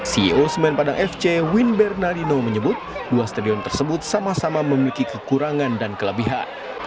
ceo semen padang fc win bernardino menyebut dua stadion tersebut sama sama memiliki kekurangan dan kelebihan